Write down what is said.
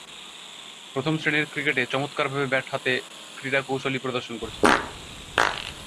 প্রথম-শ্রেণীর ক্রিকেটে চমৎকারভাবে ব্যাট হাতে ক্রীড়াশৈলী প্রদর্শন করেছেন।